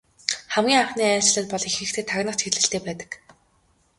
Хамгийн анхны айлчлал бол ихэнхдээ тагнах чиглэлтэй байдаг.